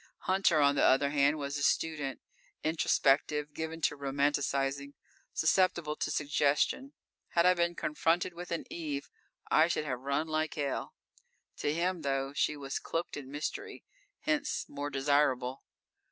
Hunter, on the other hand, was a student. Introspective, given to romanticizing. Susceptible to suggestion. Had I been confronted with an Eve, I should have run like hell. To him, though, she was cloaked in mystery; hence, more desirable.